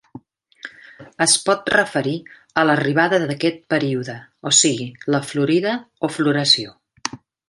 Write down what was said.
Es pot referir a l'arribada d'aquest període, o sigui, la florida o floració.